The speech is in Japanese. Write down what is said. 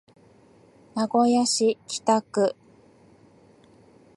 名古屋市北区